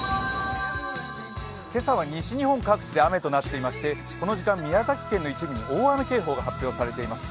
今朝は西日本各地で雨となっておりましてこの時間、宮崎県の一部に大雨警報が出ています。